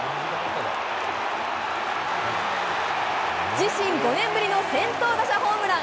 自身５年ぶりの先頭打者ホームラン！